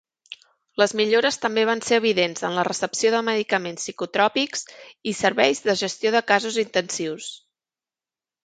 Les millores també van ser evidents en la recepció de medicaments psicotròpics i serveis de gestió de casos intensius.